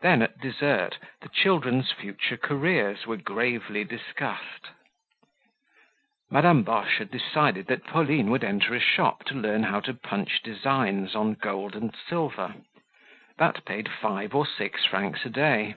Then at dessert the children's future careers were gravely discussed. Madame Boche had decided that Pauline would enter a shop to learn how to punch designs on gold and silver. That paid five or six francs a day.